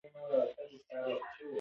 هېر له محفله نوم د سیتار دی